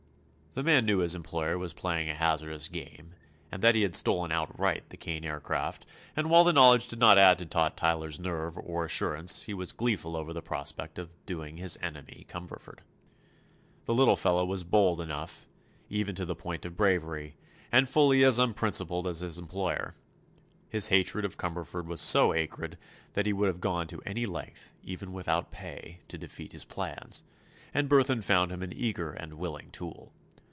The man knew his employer was playing a hazardous game and that he had stolen outright the Kane Aircraft, and while the knowledge did not add to Tot Tyler's nerve or assurance he was gleeful over the prospect of "doing" his enemy, Cumberford. The little fellow was bold enough—even to the point of bravery—and fully as unprincipled as his employer. His hatred of Cumberford was so acrid that he would have gone to any length, even without pay, to defeat his plans, and Burthon found him an eager and willing tool.